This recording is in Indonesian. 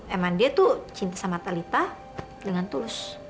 emang dia tuh cinta sama talitha dengan tulus